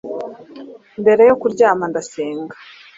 mbere yo kuryama ndasenga